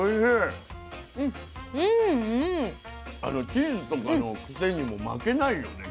チーズとかのクセにも負けないよね